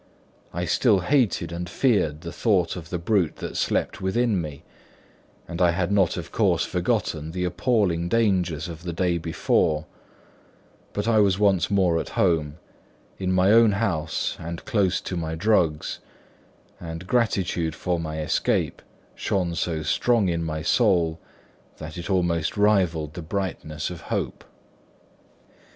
I still hated and feared the thought of the brute that slept within me, and I had not of course forgotten the appalling dangers of the day before; but I was once more at home, in my own house and close to my drugs; and gratitude for my escape shone so strong in my soul that it almost rivalled the brightness of hope.